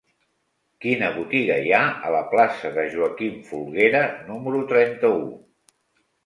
Quina botiga hi ha a la plaça de Joaquim Folguera número trenta-u?